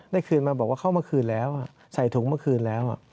ได้คืนมาบอกว่าเข้ามาคืนแล้วใส่ถุงเมื่อคืนแล้ว